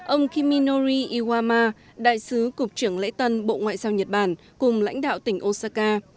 ông kiminori iwama đại sứ cục trưởng lễ tân bộ ngoại giao nhật bản cùng lãnh đạo tỉnh osaka